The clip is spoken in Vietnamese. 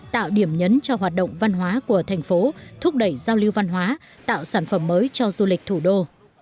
tạo điểm nhấn cho hoạt động văn hóa của thành phố thúc đẩy giao lưu văn hóa tạo sản phẩm mới cho du lịch thủ đô